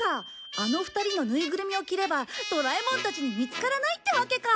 あの２人のぬいぐるみを着ればドラえもんたちに見つからないってわけか！